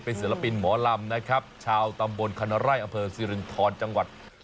ศิลปินหมอลำนะครับชาวตำบลคันไร่อเภอซิรินทรจังหวัด